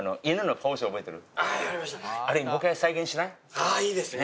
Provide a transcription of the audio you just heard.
ああいいですね！